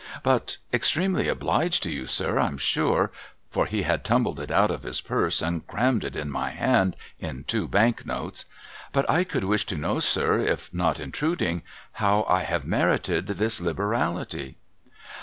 But — extremely obhged to you, sir, I'm sure ;' for he had tumbled it out of his purse and crammed it in my hand in two bank notes ;' but I could wish to know, sir, if not intruding, how I have merited this liberality